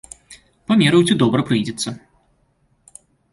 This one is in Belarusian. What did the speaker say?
Памераў, ці добра прыйдзецца.